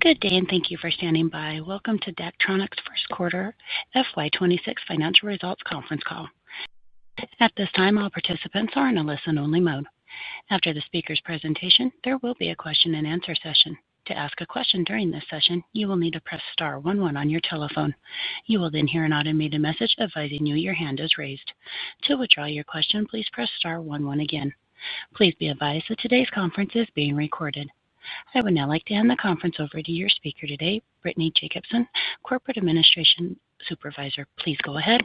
Good day and thank you for standing by. Welcome to Daktronics first quarter FY26 financial results conference call. At this time, all participants are in a listen-only mode. After the speaker's presentation, there will be a question and answer session. To ask a question during this session, you will need to press star one one on your telephone. You will then hear an automated message advising you your hand is raised. To withdraw your question, please press star one one again. Please be advised that today's conference is being recorded. I would now like to hand the conference over to your speaker today, Brittany Jacobson, Corporate Administration Supervisor. Please go ahead.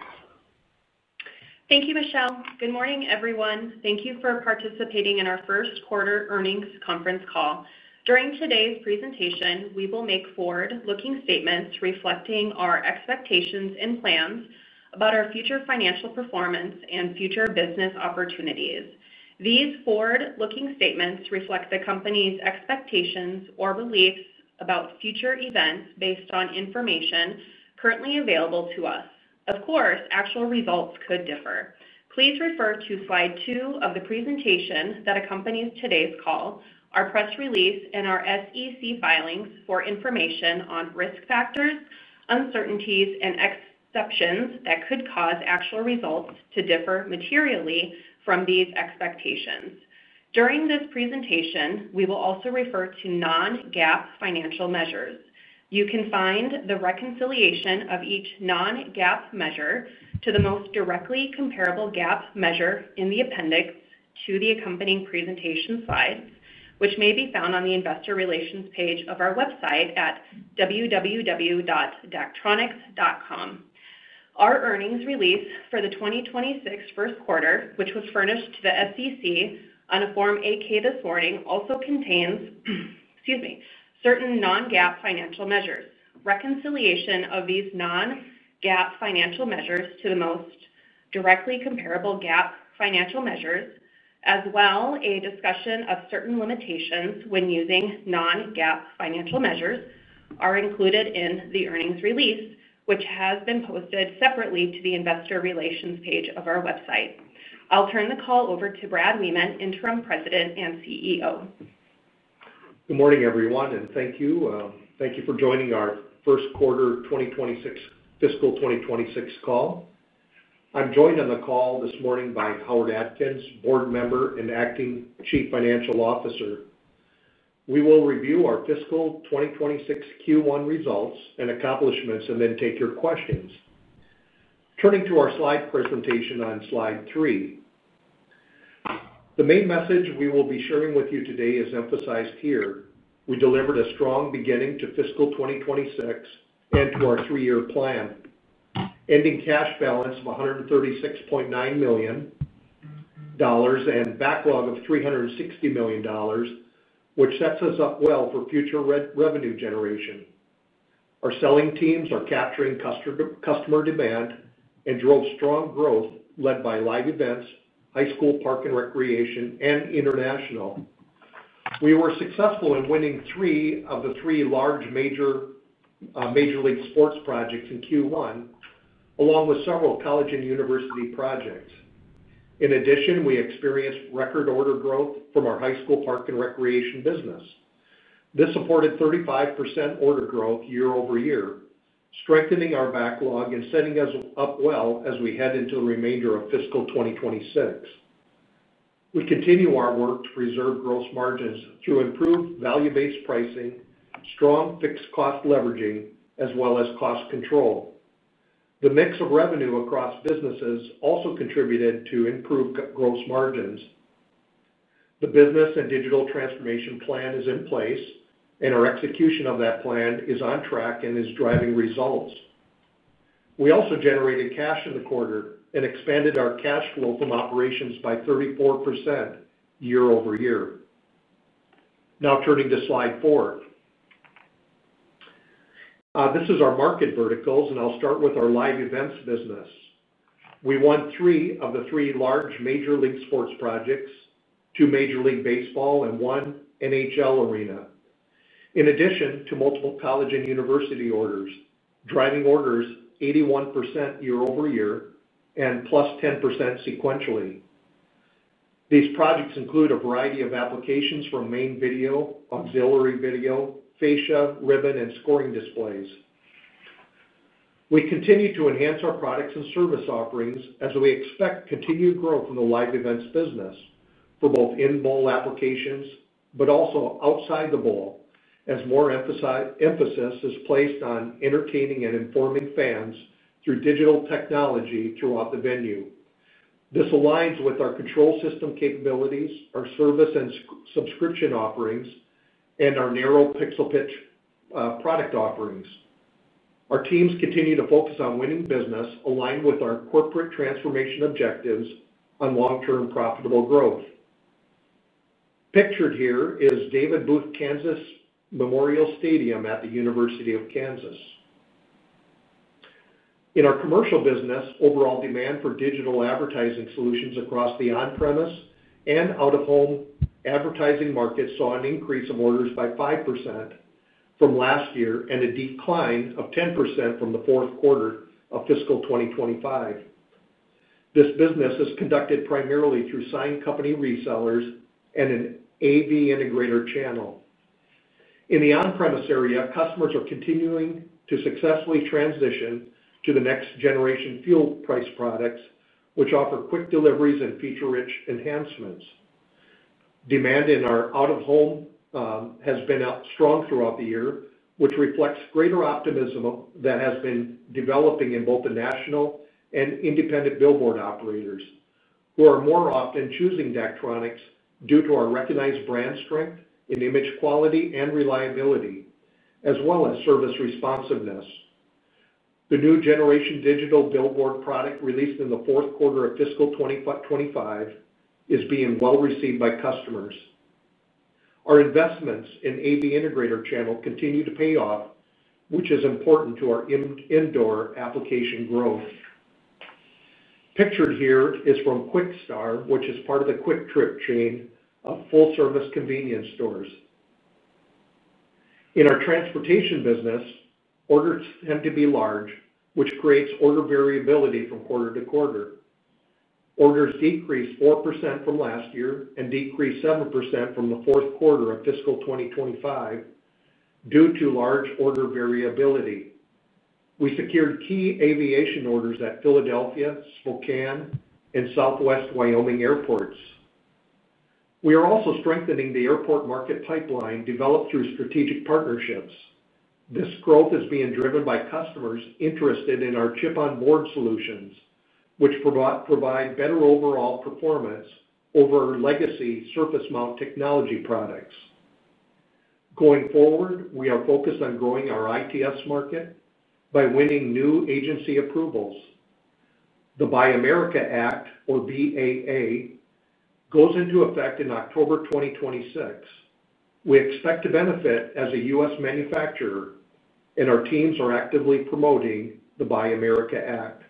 Thank you, Michelle. Good morning, everyone. Thank you for participating in our first quarter earnings conference call. During today's presentation, we will make forward-looking statements reflecting our expectations and plans about our future financial performance and future business opportunities. These forward-looking statements reflect the company's expectations or beliefs about future events based on information currently available to us. Of course, actual results could differ. Please refer to slide two of the presentation that accompanies today's call, our press release, and our SEC filings for information on risk factors, uncertainties, and exceptions that could cause actual results to differ materially from these expectations. During this presentation, we will also refer to non-GAAP financial measures. You can find the reconciliation of each non-GAAP measure to the most directly comparable GAAP measure in the appendix to the accompanying presentation slides, which may be found on the investor relations page of our website at www.daktronics.com. Our earnings release for the 2026 first quarter, which was furnished to the SEC on a Form 8-K this morning, also contains certain non-GAAP financial measures. Reconciliation of these non-GAAP financial measures to the most directly comparable GAAP financial measures, as well as a discussion of certain limitations when using non-GAAP financial measures, are included in the earnings release, which has been posted separately to the investor relations page of our website. I'll turn the call over to Brad Wiemann, Interim President and CEO. Good morning, everyone, and thank you. Thank you for joining our first quarter 2026, fiscal 2026 call. I'm joined on the call this morning by Howard Atkins, Board Member and Acting Chief Financial Officer. We will review our fiscal 2026 Q1 results and accomplishments and then take your questions. Turning to our slide presentation on slide three, the main message we will be sharing with you today is emphasized here. We delivered a strong beginning to fiscal 2026 and to our three-year plan, ending cash balance of $136.9 million and backlog of $360 million, which sets us up well for future revenue generation. Our selling teams are capturing customer demand and drove strong growth led by live events, high school park and recreation, and international. We were successful in winning three of the three large Major League sports projects in Q1, along with several college and university projects. In addition, we experienced record order growth from our high school park and recreation business. This supported 35% order growth year over year, strengthening our backlog and setting us up well as we head into the remainder of fiscal 2026. We continue our work to preserve gross margins through improved value-based pricing, strong fixed cost leveraging, as well as cost control. The mix of revenue across businesses also contributed to improved gross margins. The business and digital transformation plan is in place, and our execution of that plan is on track and is driving results. We also generated cash in the quarter and expanded our cash flow from operations by 34% year over year. Now turning to slide four, this is our market verticals, and I'll start with our live events business. We won three of the three large Major League sports projects, two Major League Baseball and one NHL arena, in addition to multiple college and university orders, driving orders 81% year over year and plus 10% sequentially. These projects include a variety of applications from main video, auxiliary video, fascia, ribbon, and scoring displays. We continue to enhance our products and service offerings as we expect continued growth in the live events business for both in bowl applications, but also outside the bowl, as more emphasis is placed on entertaining and informing fans through digital technology throughout the venue. This aligns with our control system capabilities, our service and subscription offerings, and our narrow PixelPit product offerings. Our teams continue to focus on winning business aligned with our corporate transformation objectives on long-term profitable growth. Pictured here is David Booth Kansas Memorial Stadium at the University of Kansas. In our commercial business, overall demand for digital advertising solutions across the on-premise and out-of-home advertising markets saw an increase in orders by 5% from last year and a decline of 10% from the fourth quarter of fiscal 2025. This business is conducted primarily through signed company resellers and an AV integrator channel. In the on-premise area, customers are continuing to successfully transition to the next generation fuel price products, which offer quick deliveries and feature-rich enhancements. Demand in our out-of-home has been strong throughout the year, which reflects greater optimism that has been developing in both the national and independent billboard operators, who are more often choosing Daktronics due to our recognized brand strength in image quality and reliability, as well as service responsiveness. The new generation digital billboard product released in the fourth quarter of fiscal 2025 is being well received by customers. Our investments in AV integrator channel continue to pay off, which is important to our indoor application growth. Pictured here is from Quickstar, which is part of the QuickTrip chain of full-service convenience stores. In our transportation business, orders tend to be large, which creates order variability from quarter to quarter. Orders decreased 4% from last year and decreased 7% from the fourth quarter of fiscal 2025 due to large order variability. We secured key aviation orders at Philadelphia, Spokane, and Southwest Wyoming airports. We are also strengthening the airport market pipeline developed through strategic partnerships. This growth is being driven by customers interested in our chip-on-board solutions, which provide better overall performance over our legacy surface mount technology products. Going forward, we are focused on growing our ITS market by winning new agency approvals. The Buy America Act, or BAA, goes into effect in October 2026. We expect to benefit as a U.S. manufacturer, and our teams are actively promoting the Buy America Act.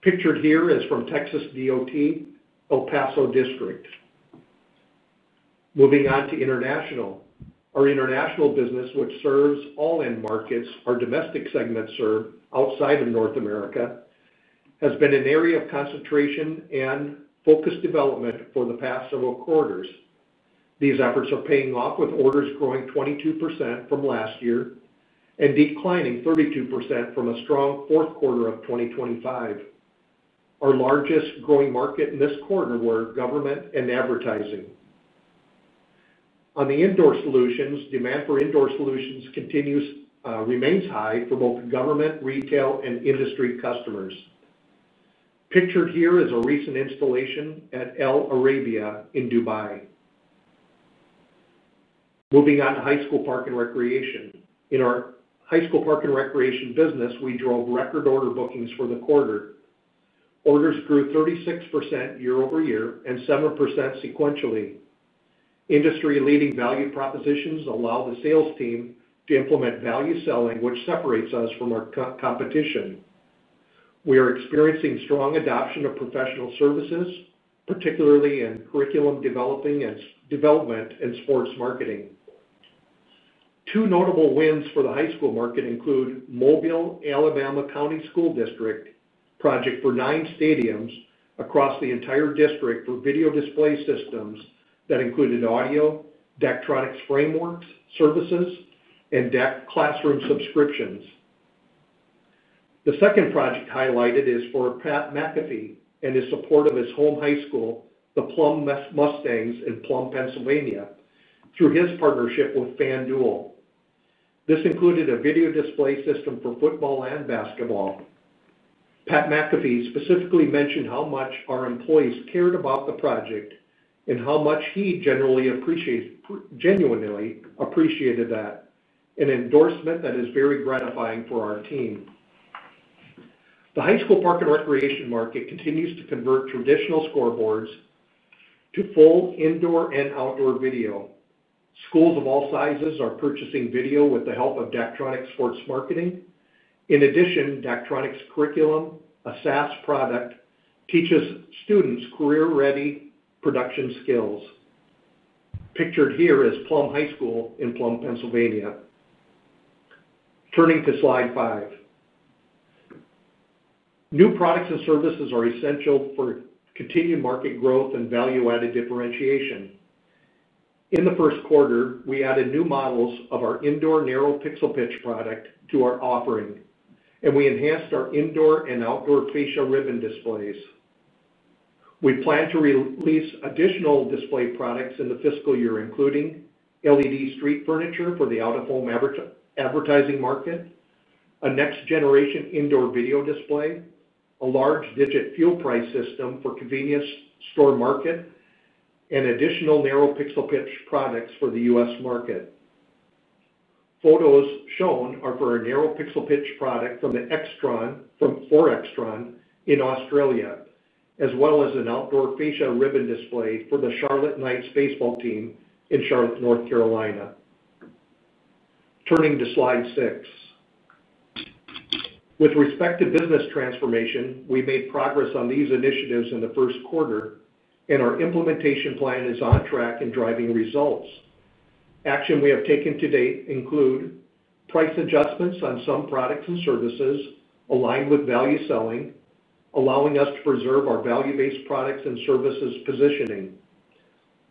Pictured here is from Texas Department of Transportation El Paso District. Moving on to international, our international business, which serves all end markets, our domestic segment served outside of North America, has been an area of concentration and focused development for the past several quarters. These efforts are paying off with orders growing 22% from last year and declining 32% from a strong fourth quarter of 2025. Our largest growing market in this quarter were government and advertising. On the indoor solutions, demand for indoor solutions continues to remain high for both government, retail, and industry customers. Pictured here is a recent installation at El Arabia in Dubai. Moving on to high school park and recreation. In our high school park and recreation business, we drove record order bookings for the quarter. Orders grew 36% year over year and 7% sequentially. Industry-leading value propositions allow the sales team to implement value selling, which separates us from our competition. We are experiencing strong adoption of professional services, particularly in curriculum development and sports marketing. Two notable wins for the high school market include Mobile Alabama County School District project for nine stadiums across the entire district for video display systems that included audio, Daktronics framework services, and DECK classroom subscriptions. The second project highlighted is for Pat McAfee and the support of his home high school, the Plum Mustangs in Plum, Pennsylvania, through his partnership with FanDuel. This included a video display system for football and basketball. Pat McAfee specifically mentioned how much our employees cared about the project and how much he genuinely appreciated that, an endorsement that is very gratifying for our team. The high school park and recreation market continues to convert traditional scoreboards to full indoor and outdoor video. Schools of all sizes are purchasing video with the help of Daktronics Sports Marketing. In addition, Daktronics curriculum, a SaaS product, teaches students career-ready production skills. Pictured here is Plum High School in Plum, Pennsylvania. Turning to slide five, new products and services are essential for continued market growth and value-added differentiation. In the first quarter, we added new models of our indoor narrow pixel pitch product to our offering, and we enhanced our indoor and outdoor fascia ribbon displays. We plan to release additional display products in the fiscal year, including LED street furniture for the out-of-home advertising market, a next-generation indoor video display, a large-digit fuel price system for the convenience store market, and additional narrow PixelPitch products for the U.S. market. Photos shown are for a narrow PixelPitch product from the 4XTRON in Australia, as well as an outdoor fascia ribbon display for the Charlotte Knights baseball team in Charlotte, North Carolina. Turning to slide six, with respect to business transformation, we made progress on these initiatives in the first quarter, and our implementation plan is on track and driving results. Action we have taken to date includes price adjustments on some products and services aligned with value selling, allowing us to preserve our value-based products and services positioning,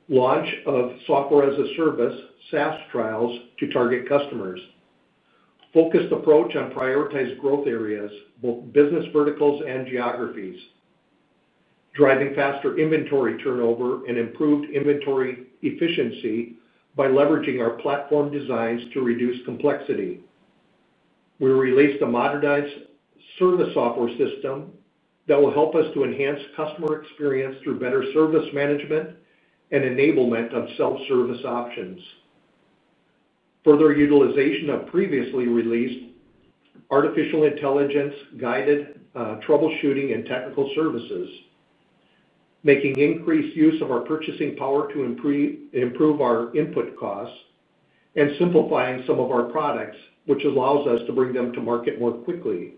launch of software as a service (SaaS) trials to target customers, focused approach on prioritized growth areas, both business verticals and geographies, driving faster inventory turnover and improved inventory efficiency by leveraging our platform designs to reduce complexity. We released a modernized service software system that will help us to enhance customer experience through better service management and enablement of self-service options. Further utilization of previously released artificial intelligence-guided troubleshooting and technical services, making increased use of our purchasing power to improve our input costs and simplifying some of our products, which allows us to bring them to market more quickly.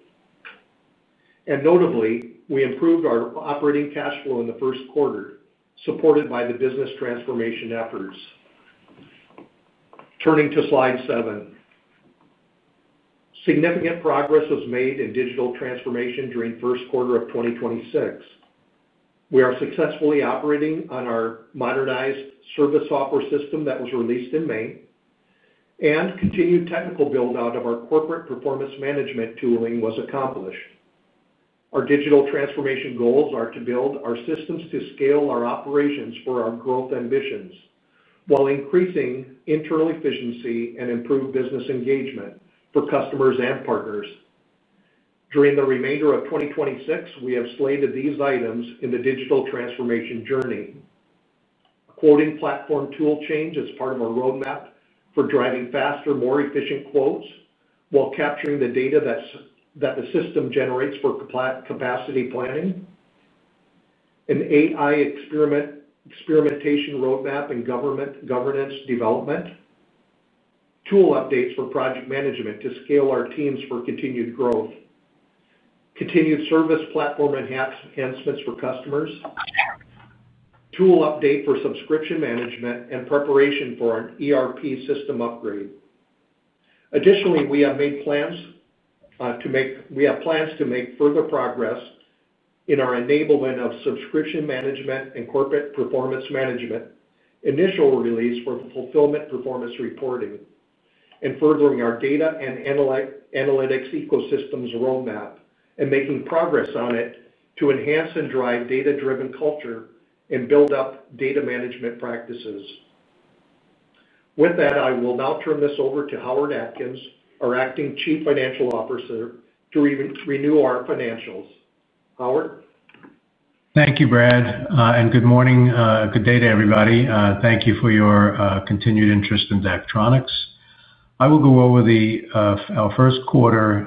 Notably, we improved our operating cash flow in the first quarter, supported by the business transformation efforts. Turning to slide seven, significant progress was made in digital transformation during the first quarter of 2026. We are successfully operating on our modernized service software system that was released in May, and continued technical build-out of our corporate performance management tooling was accomplished. Our digital transformation goals are to build our systems to scale our operations for our growth ambitions while increasing internal efficiency and improved business engagement for customers and partners. During the remainder of 2026, we have slated these items in the digital transformation journey. Quoting platform tool change is part of our roadmap for driving faster, more efficient quotes while capturing the data that the system generates for capacity planning, an AI experimentation roadmap in governance development, tool updates for project management to scale our teams for continued growth, continued service platform enhancements for customers, tool update for subscription management, and preparation for an ERP system upgrade. Additionally, we have made plans to make further progress in our enablement of subscription management and corporate performance management, initial release for fulfillment performance reporting, and furthering our data and analytics ecosystems roadmap and making progress on it to enhance and drive data-driven culture and build up data management practices. With that, I will now turn this over to Howard Atkins, our Acting Chief Financial Officer, to review our financials. Howard? Thank you, Brad, and good morning. Good day to everybody. Thank you for your continued interest in Daktronics. I will go over our first quarter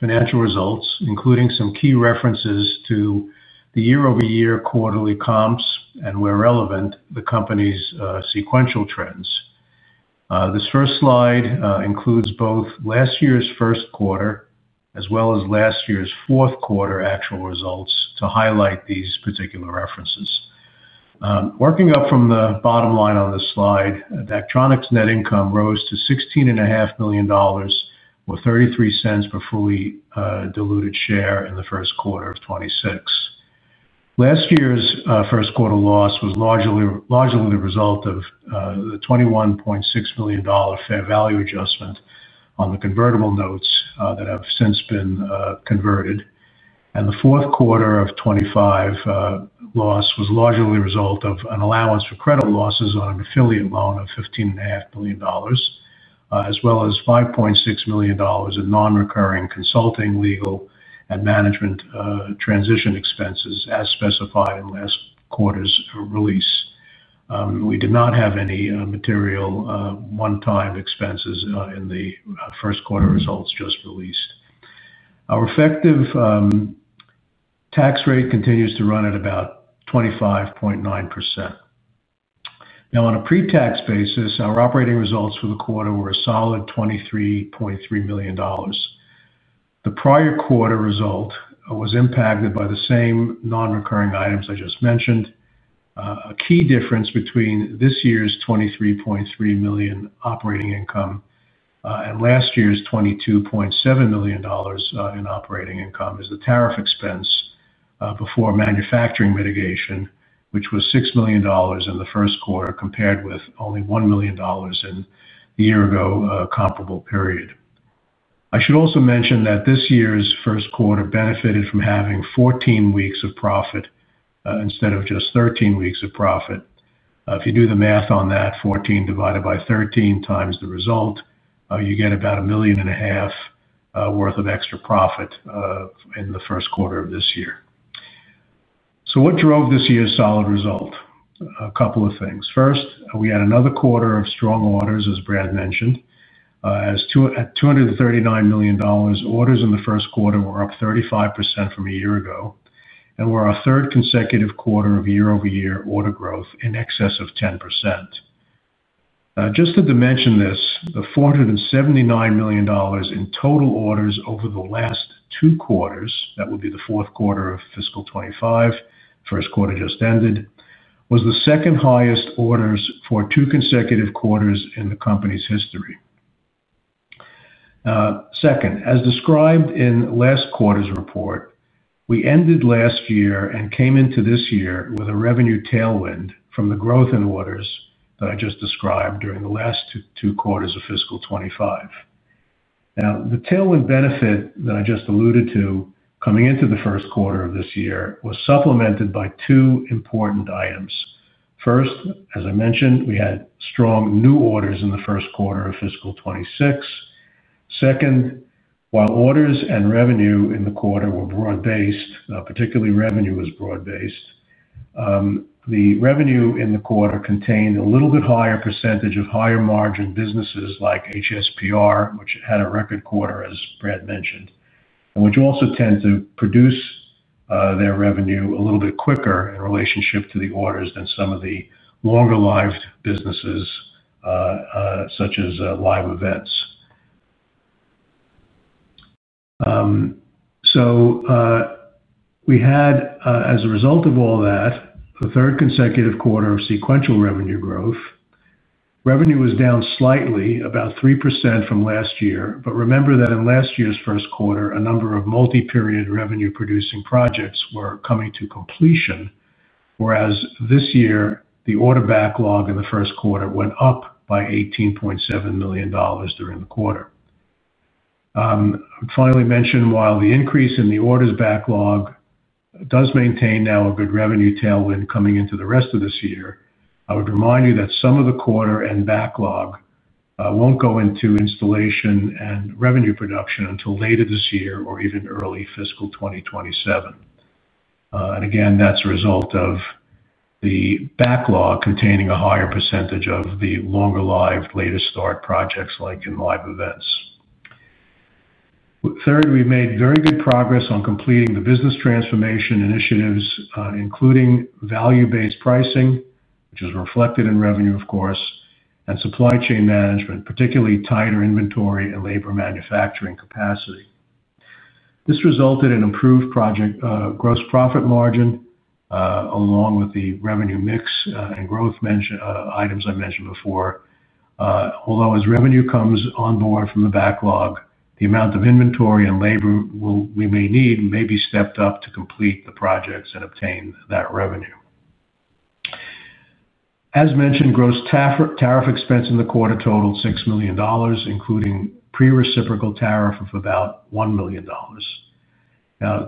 financial results, including some key references to the year-over-year quarterly comps and, where relevant, the company's sequential trends. This first slide includes both last year's first quarter as well as last year's fourth quarter actual results to highlight these particular references. Working up from the bottom line on this slide, Daktronics net income rose to $16.5 million with $0.33 per fully diluted share in the first quarter of 2026. Last year's first quarter loss was largely the result of the $21.6 million fair value adjustment on the convertible notes that have since been converted. The fourth quarter of 2025 loss was largely the result of an allowance for credit losses on an affiliate loan of $15.5 million, as well as $5.6 million in non-recurring consulting, legal, and management transition expenses as specified in last quarter's release. We did not have any material one-time expenses in the first quarter results just released. Our effective tax rate continues to run at about 25.9%. Now, on a pre-tax basis, our operating results for the quarter were a solid $23.3 million. The prior quarter result was impacted by the same non-recurring items I just mentioned. A key difference between this year's $23.3 million operating income and last year's $22.7 million in operating income is the tariff expense before manufacturing mitigation, which was $6 million in the first quarter compared with only $1 million in the year ago comparable period. I should also mention that this year's first quarter benefited from having 14 weeks of profit instead of just 13 weeks of profit. If you do the math on that, 14 divided by 13 times the result, you get about $1.5 million worth of extra profit in the first quarter of this year. What drove this year's solid result? A couple of things. First, we had another quarter of strong orders, as Brad mentioned, at $239 million. Orders in the first quarter were up 35% from a year ago and were our third consecutive quarter of year-over-year order growth in excess of 10%. The $479 million in total orders over the last two quarters, that would be the fourth quarter of fiscal 2025 and the first quarter just ended, was the second highest orders for two consecutive quarters in the company's history. Second, as described in last quarter's report, we ended last year and came into this year with a revenue tailwind from the growth in orders that I just described during the last two quarters of fiscal 2025. The tailwind benefit that I just alluded to coming into the first quarter of this year was supplemented by two important items. First, as I mentioned, we had strong new orders in the first quarter of fiscal 2026. While orders and revenue in the quarter were broad-based, particularly revenue was broad-based, the revenue in the quarter contained a little bit higher percentage of higher margin businesses like HSPR, which had a record quarter, as Brad Wiemann mentioned, and which also tend to produce their revenue a little bit quicker in relationship to the orders than some of the longer-lived businesses such as live events. We had, as a result of all that, the third consecutive quarter of sequential revenue growth. Revenue was down slightly, about 3% from last year. Remember that in last year's first quarter, a number of multi-period revenue-producing projects were coming to completion, whereas this year, the order backlog in the first quarter went up by $18.7 million during the quarter. I would finally mention, while the increase in the orders backlog does maintain now a good revenue tailwind coming into the rest of this year, I would remind you that some of the quarter end backlog won't go into installation and revenue production until later this year or even early fiscal 2027. That is a result of the backlog containing a higher percentage of the longer-lived latest start projects, like in live events. Third, we made very good progress on completing the business transformation initiatives, including value-based pricing, which is reflected in revenue, of course, and supply chain management, particularly tighter inventory and labor manufacturing capacity. This resulted in improved project gross profit margin, along with the revenue mix and growth items I mentioned before. Although as revenue comes on board from the backlog, the amount of inventory and labor we may need may be stepped up to complete the projects that obtain that revenue. As mentioned, gross tariff expense in the quarter totaled $6 million, including pre-reciprocal tariff of about $1 million.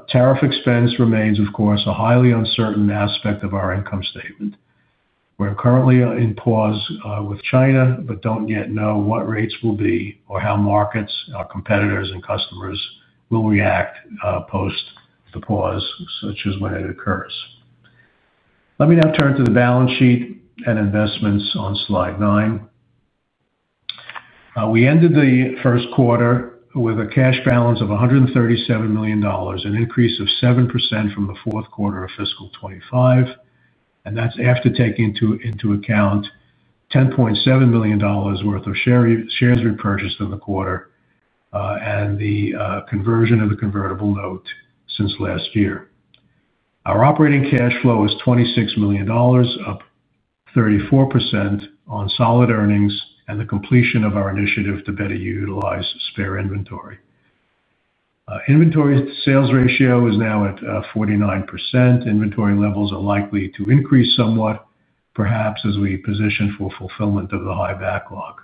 Tariff expense remains, of course, a highly uncertain aspect of our income statement. We're currently in pause with China, but don't yet know what rates will be or how markets, our competitors, and customers will react post the pause, such as when it occurs. Let me now turn to the balance sheet and investments on slide nine. We ended the first quarter with a cash balance of $137 million, an increase of 7% from the fourth quarter of fiscal 2025. That's after taking into account $10.7 million worth of shares repurchased in the quarter and the conversion of the convertible note since last year. Our operating cash flow is $26 million, up 34% on solid earnings and the completion of our initiative to better utilize spare inventory. Inventory sales ratio is now at 49%. Inventory levels are likely to increase somewhat, perhaps as we position for fulfillment of the high backlog.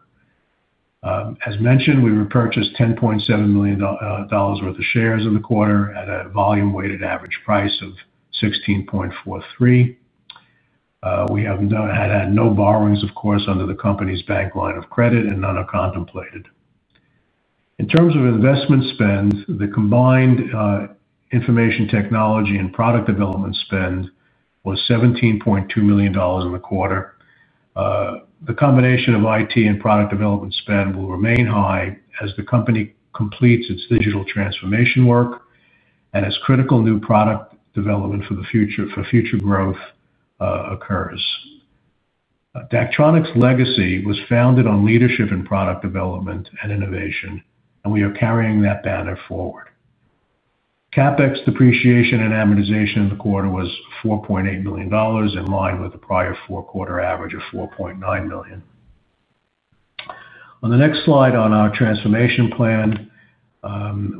As mentioned, we repurchased $10.7 million worth of shares in the quarter at a volume-weighted average price of $16.43. We have had no borrowings, of course, under the company's bank line of credit and none are contemplated. In terms of investment spends, the combined information technology and product development spend was $17.2 million in the quarter. The combination of IT and product development spend will remain high as the company completes its digital transformation work and as critical new product development for future growth occurs. Daktronics legacy was founded on leadership in product development and innovation, and we are carrying that banner forward. CapEx depreciation and amortization in the quarter was $4.8 million, in line with the prior four-quarter average of $4.9 million. On the next slide on our transformation plan,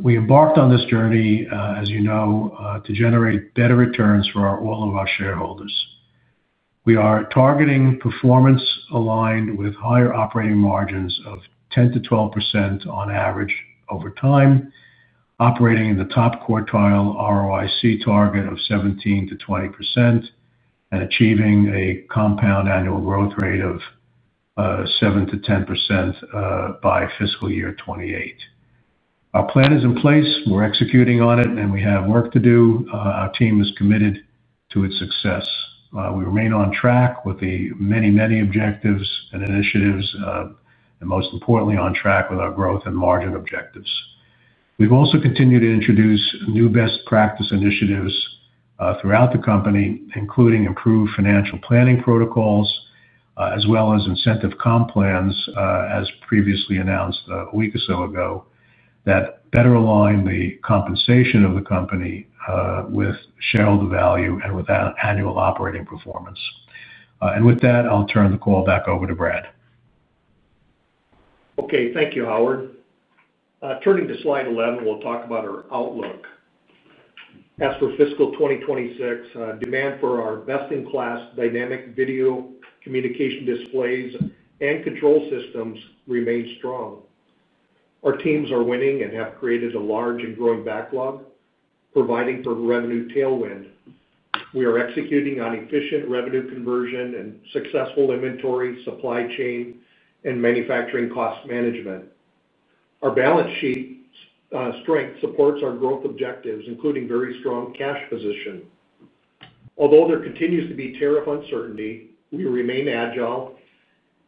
we embarked on this journey, as you know, to generate better returns for all of our shareholders. We are targeting performance aligned with higher operating margins of 10% to 12% on average over time, operating in the top quartile ROIC target of 17% to 20% and achieving a compound annual growth rate of 7% to 10% by fiscal year 2028. Our plan is in place. We're executing on it, and we have work to do. Our team is committed to its success. We remain on track with the many, many objectives and initiatives, and most importantly, on track with our growth and margin objectives. We have also continued to introduce new best practice initiatives throughout the company, including improved financial planning protocols, as well as incentive comp plans, as previously announced a week or so ago, that better align the compensation of the company with shareholder value and with annual operating performance. With that, I'll turn the call back over to Brad. Okay. Thank you, Howard. Turning to slide 11, we'll talk about our outlook. As for fiscal 2026, demand for our best-in-class dynamic video communication displays and control systems remains strong. Our teams are winning and have created a large and growing backlog, providing for revenue tailwind. We are executing on efficient revenue conversion and successful inventory, supply chain, and manufacturing cost management. Our balance sheet strength supports our growth objectives, including very strong cash position. Although there continues to be tariff uncertainty, we remain agile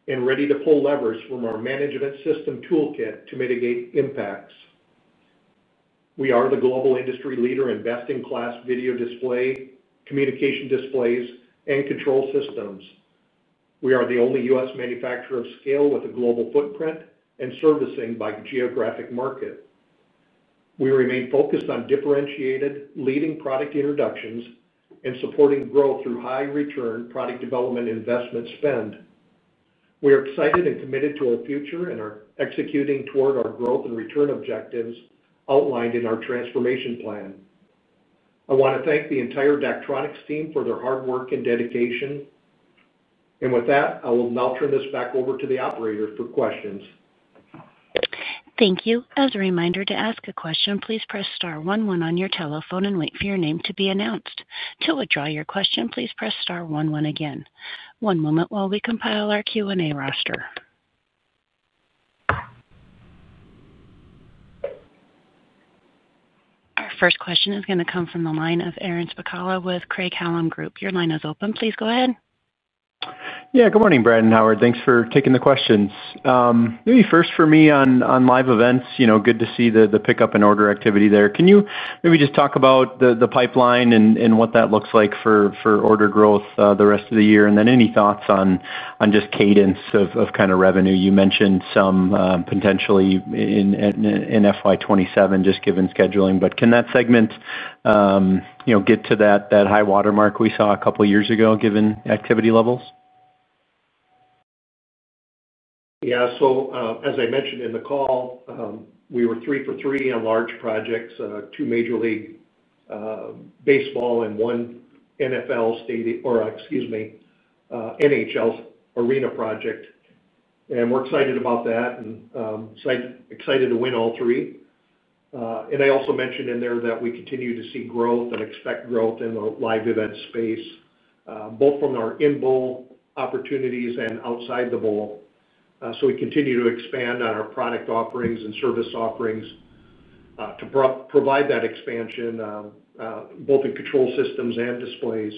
and ready to pull levers from our management system toolkit to mitigate impacts. We are the global industry leader in best-in-class video display, communication displays, and control systems. We are the only U.S. manufacturer of scale with a global footprint and servicing by geographic market. We remain focused on differentiated, leading product introductions and supporting growth through high-return product development investment spend. We are excited and committed to our future and are executing toward our growth and return objectives outlined in our transformation plan. I want to thank the entire Daktronics team for their hard work and dedication. I will now turn this back over to the operators for questions. Thank you. As a reminder, to ask a question, please press star one one on your telephone and wait for your name to be announced. To withdraw your question, please press star one one again. One moment while we compile our Q&A roster. First question is going to come from the line of Aaron Spicala with Craig Hallum Group. Your line is open. Please go ahead. Good morning, Brad and Howard. Thanks for taking the questions. Maybe first for me on live events, good to see the pickup in order activity there. Can you talk about the pipeline and what that looks like for order growth the rest of the year? Any thoughts on cadence of revenue? You mentioned some potentially in FY2027, given scheduling. Can that segment get to that high watermark we saw a couple of years ago, given activity levels? Yeah. As I mentioned in the call, we were three for three on large projects, two Major League Baseball and one NHL arena project. We're excited about that and excited to win all three. I also mentioned in there that we continue to see growth and expect growth in the live event space, both from our in-bowl opportunities and outside the bowl. We continue to expand on our product offerings and service offerings to provide that expansion, both in control systems and displays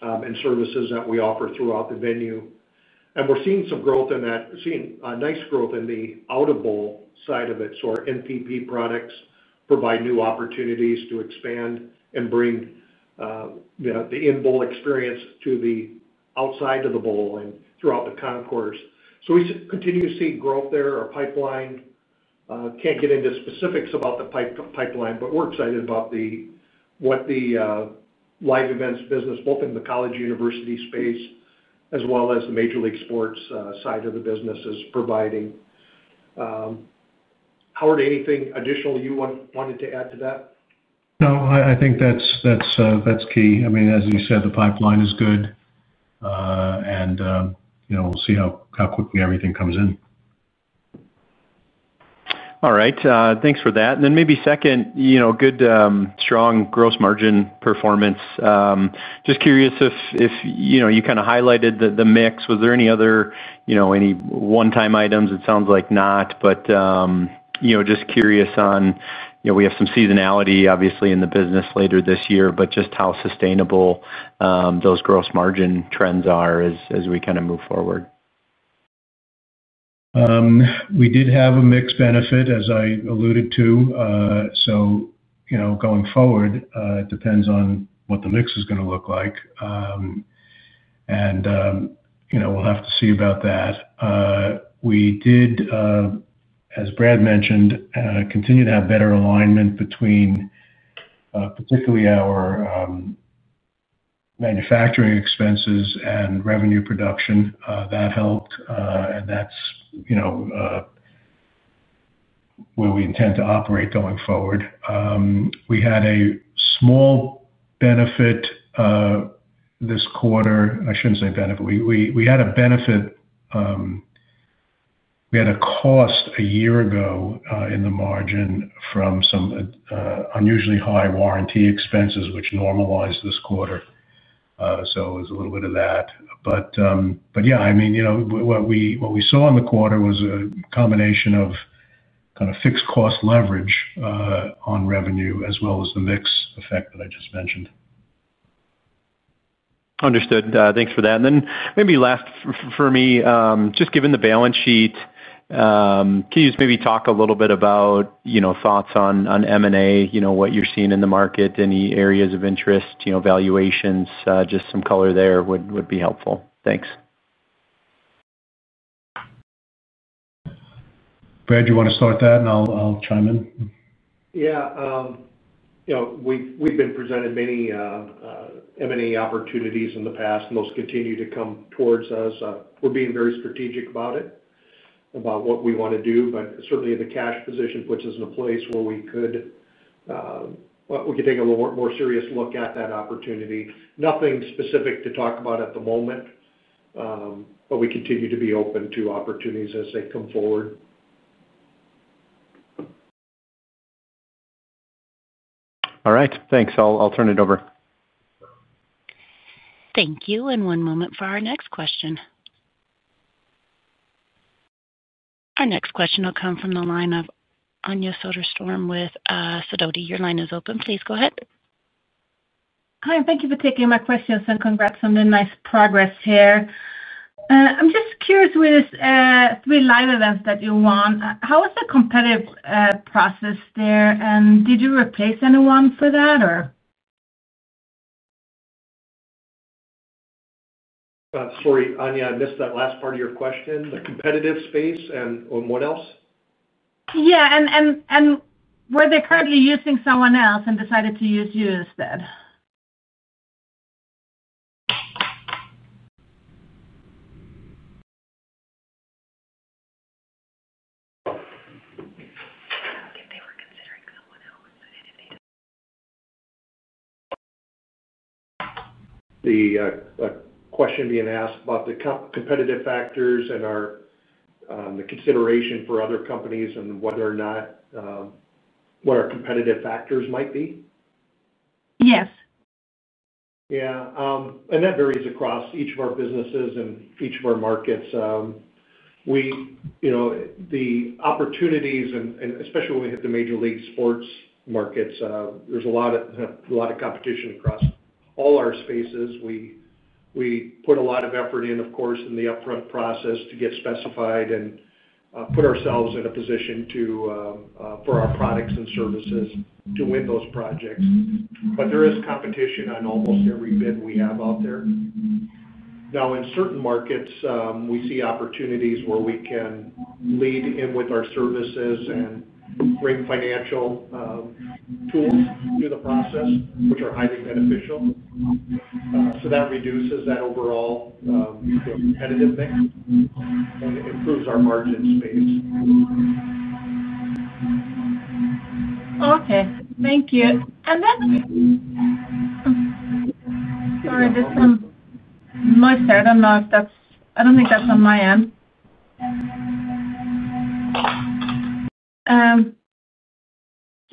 and services that we offer throughout the venue. We're seeing some growth in that, seeing a nice growth in the out-of-bowl side of it. Our NPP products provide new opportunities to expand and bring the in-bowl experience to the outside of the bowl and throughout the concourse. We continue to see growth there. Our pipeline, can't get into specifics about the pipeline, but we're excited about what the live events business, both in the college university space as well as the major league sports side of the business, is providing. Howard, anything additional you wanted to add to that? No, I think that's key. I mean, as you said, the pipeline is good, and you know we'll see how quickly everything comes in. All right. Thanks for that. Maybe second, you know, good, strong gross margin performance. Just curious if you know, you kind of highlighted the mix. Was there any other, you know, any one-time items? It sounds like not, but you know, just curious on, you know, we have some seasonality, obviously, in the business later this year, but just how sustainable those gross margin trends are as we kind of move forward. We did have a mixed benefit, as I alluded to. Going forward, it depends on what the mix is going to look like. We'll have to see about that. We did, as Brad mentioned, continue to have better alignment between particularly our manufacturing expenses and revenue production. That helped, and that's where we intend to operate going forward. We had a small benefit this quarter. I shouldn't say benefit. We had a benefit. We had a cost a year ago in the margin from some unusually high warranty expenses, which normalized this quarter. It was a little bit of that. What we saw in the quarter was a combination of kind of fixed cost leverage on revenue, as well as the mix effect that I just mentioned. Understood. Thanks for that. Maybe last for me, just given the balance sheet, can you just maybe talk a little bit about thoughts on M&A, what you're seeing in the market, any areas of interest, valuations? Just some color there would be helpful. Thanks. Brad, you want to start that, and I'll chime in? Yeah. We've been presented many M&A opportunities in the past, and those continue to come towards us. We're being very strategic about it, about what we want to do. Certainly, the cash position puts us in a place where we could take a little more serious look at that opportunity. Nothing specific to talk about at the moment, but we continue to be open to opportunities as they come forward. All right. Thanks. I'll turn it over. Thank you. One moment for our next question. Our next question will come from the line of Anja Soderstrom with Sidoti. Your line is open. Please go ahead. Hi. Thank you for taking my questions and congrats on the nice progress here. I'm just curious, with three live events that you won, how was the competitive process there? Did you replace anyone for that, or? Sorry, Anya, I missed that last part of your question. The competitive space and what else? Were they currently using someone else and decided to use you instead? The question being asked about the competitive factors and the consideration for other companies and whether or not what our competitive factors might be? Yes. Yeah. That varies across each of our businesses and each of our markets. The opportunities, and especially when we hit the major league sports markets, there's a lot of competition across all our spaces. We put a lot of effort in, of course, in the upfront process to get specified and put ourselves in a position for our products and services to win those projects. There is competition on almost every bid we have out there. In certain markets, we see opportunities where we can lead in with our services and bring financial tools to the process, which are highly beneficial. That reduces that overall competitive mix and improves our margin space. Okay. Thank you. Sorry, there's some noise there. I don't know if that's—I don't think that's on my end.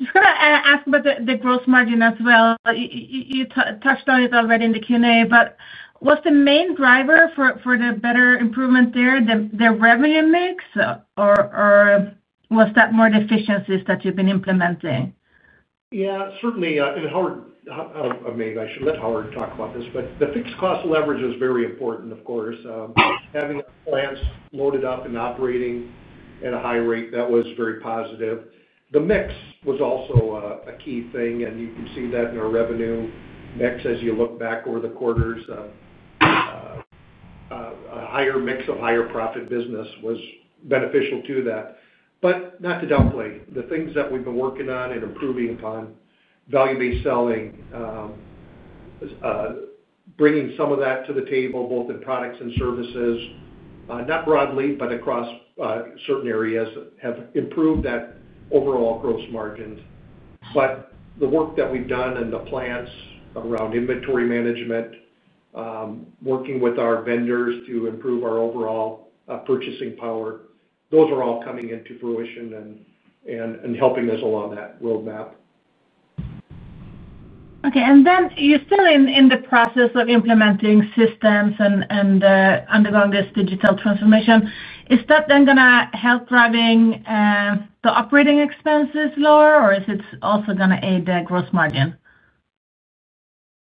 I'm just going to ask about the gross margin as well. You touched on it already in the Q&A, but was the main driver for the better improvement there the revenue mix, or was that more efficiencies that you've been implementing? Certainly. I mean, I should let Howard talk about this, but the fixed cost leverage was very important, of course. Having plants loaded up and operating at a high rate, that was very positive. The mix was also a key thing, and you can see that in our revenue mix as you look back over the quarters. A higher mix of higher profit business was beneficial to that. Not to downplay the things that we've been working on and improving upon value-based selling, bringing some of that to the table, both in products and services, not broadly, but across certain areas have improved that overall gross margin. The work that we've done in the plants around inventory management, working with our vendors to improve our overall purchasing power, those are all coming into fruition and helping us along that roadmap. Okay. You're still in the process of implementing systems and undergoing this digital transformation. Is that going to help driving the operating expenses lower, or is it also going to aid the gross margin?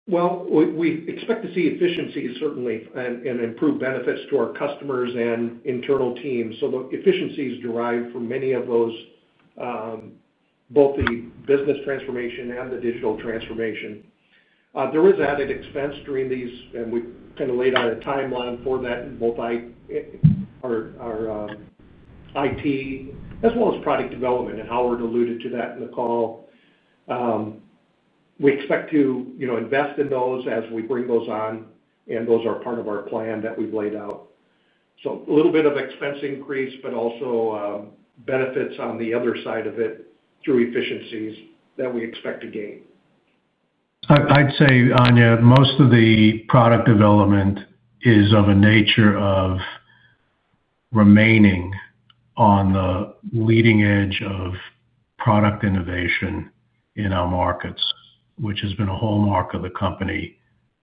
We expect to see efficiencies, certainly, and improved benefits to our customers and internal teams. The efficiencies derive from many of those, both the business transformation and the digital transformation. There is an added expense during these, and we kind of laid out a timeline for that in both IT as well as product development, and Howard alluded to that in the call. We expect to invest in those as we bring those on, and those are part of our plan that we've laid out. A little bit of expense increase, but also benefits on the other side of it through efficiencies that we expect to gain. I'd say, Anya, most of the product development is of a nature of remaining on the leading edge of product innovation in our markets, which has been a hallmark of the company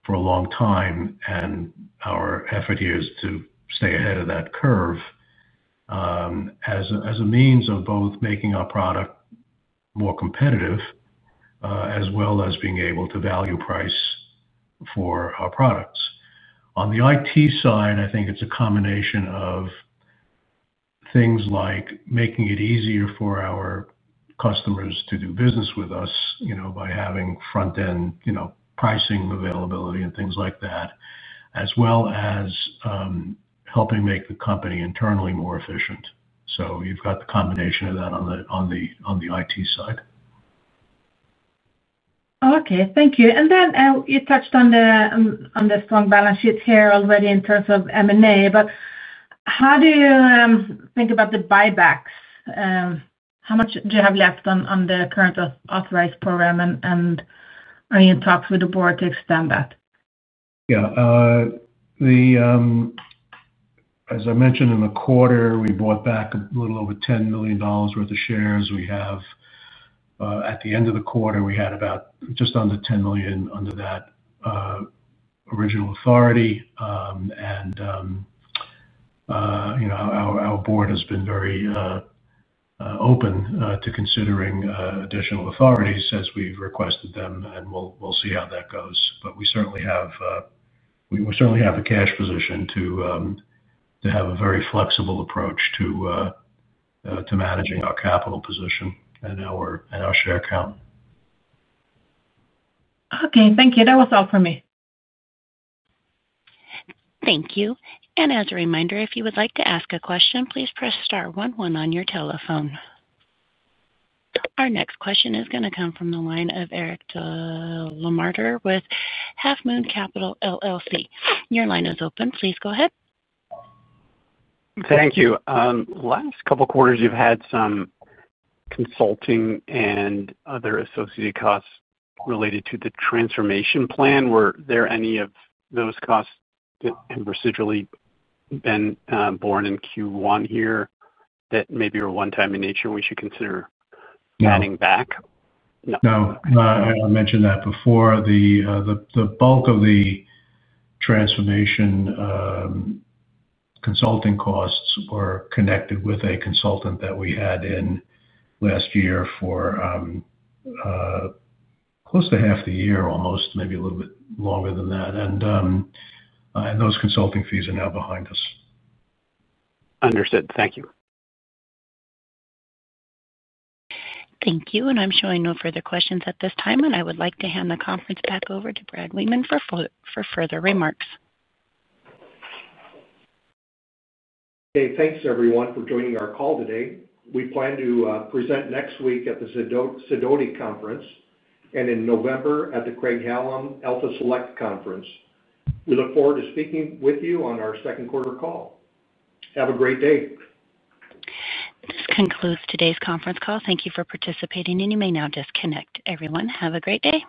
for a long time. Our effort here is to stay ahead of that curve as a means of both making our product more competitive as well as being able to value price for our products. On the IT side, I think it's a combination of things like making it easier for our customers to do business with us by having front-end pricing availability and things like that, as well as helping make the company internally more efficient. You've got the combination of that on the IT side. Thank you. You touched on the strong balance sheet here already in terms of M&A. How do you think about the buybacks? How much do you have left on the current authorized program, and are you in talks with the board to extend that? Yeah. As I mentioned, in the quarter, we bought back a little over $10 million worth of shares. At the end of the quarter, we had just under $10 million under that original authority. Our board has been very open to considering additional authorities since we've requested them, and we'll see how that goes. We certainly have a cash position to have a very flexible approach to managing our capital position and our share count. Okay, thank you. That was all for me. Thank you. As a reminder, if you would like to ask a question, please press star one one on your telephone. Our next question is going to come from the line of Eric Lamarder with Half Moon Capital LLC. Your line is open. Please go ahead. Thank you. Last couple of quarters, you've had some consulting and other associated costs related to the transformation plan. Were there any of those costs that have residually been borne in Q1 here that maybe were one-time in nature we should consider adding back? No. I mentioned that before. The bulk of the transformation consulting costs were connected with a consultant that we had in last year for close to half the year, maybe a little bit longer than that. Those consulting fees are now behind us. Understood. Thank you. Thank you. I'm showing no further questions at this time. I would like to hand the conference back over to Brad Wiemann for further remarks. Okay. Thanks, everyone, for joining our call today. We plan to present next week at the Sidoti Conference and in November at the Craig-Hallum Alpha Select Conference. We look forward to speaking with you on our second quarter call. Have a great day. This concludes today's conference call. Thank you for participating, and you may now disconnect. Everyone, have a great day.